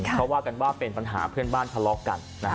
เพราะว่ากันว่าเป็นปัญหาเพื่อนบ้านทะเลาะกัน